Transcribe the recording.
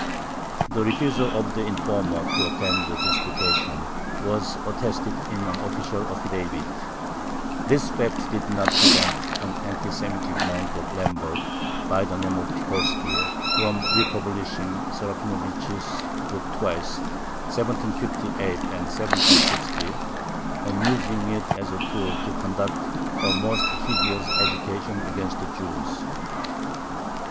The refusal of the informer to attend the disputation was attested in an official affidavit. This fact did not prevent an anti Semitic monk of Lemberg, by the name of Pikolski, from republishing Serafinovich's book twice (1758 and 1760) and using it as a tool to conduct a most hideous agitation against the Jews.